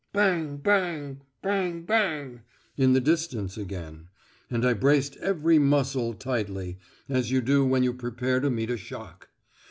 "Bang bang ... bang bang" in the distance again, and I braced every muscle tightly, as you do when you prepare to meet a shock.